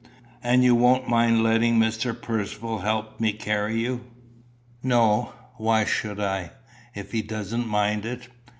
"And you won't mind letting Mr. Percivale help me to carry you?" "No. Why should I, if he doesn't mind it?